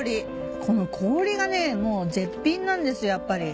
この氷がねもう絶品なんですやっぱり。